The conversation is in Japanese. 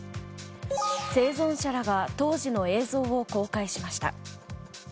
生存者らが当時の映像を公開しました。